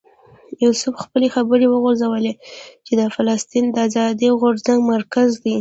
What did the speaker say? یوسف خپلې خبرې وغځولې چې دا د فلسطین د آزادۍ غورځنګ مرکز دی.